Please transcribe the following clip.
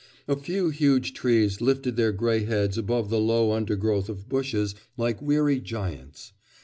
A few huge trees lifted their grey heads above the low undergrowth of bushes like weary giants.